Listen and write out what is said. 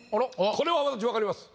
これは私分かります。